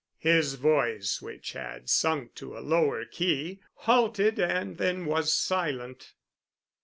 His voice, which had sunk to a lower key, halted and then was silent.